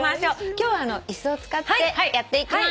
今日は椅子を使ってやっていきまーす。